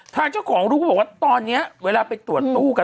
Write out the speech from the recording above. ทางเจ้าของรู้ก็บอกว่าตอนนี้เวลาไปตรวจตู้กัน